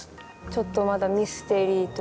ちょっとまだミステリーというか。